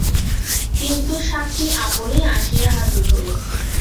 কিন্তু সাক্ষী আপনি আসিয়া হাজির হইল।